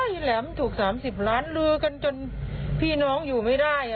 แหลมถูก๓๐ล้านลือกันจนพี่น้องอยู่ไม่ได้